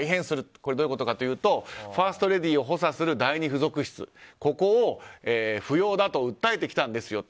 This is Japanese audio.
これはどういうことかというとファーストレディーを補佐する第２付属室を不要だと訴えてきたんですよと。